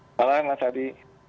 selamat malam mas hadi